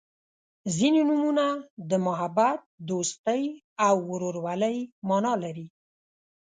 • ځینې نومونه د محبت، دوستۍ او ورورولۍ معنا لري.